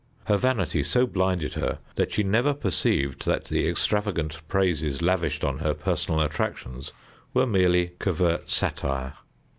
Her vanity so blinded her that she never perceived that the extravagant praises lavished on her personal attractions were merely covert satire.